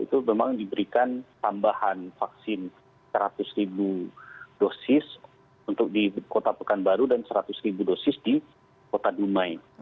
itu memang diberikan tambahan vaksin seratus ribu dosis untuk di kota pekanbaru dan seratus ribu dosis di kota dumai